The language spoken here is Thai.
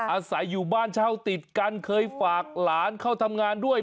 อาศัยอยู่บ้านเช่าติดกันเคยฝากหลานเข้าทำงานด้วย